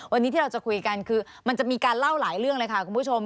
วันนี้ที่เราจะคุยกันคือมันจะมีการเล่าหลายเรื่องเลยค่ะคุณผู้ชม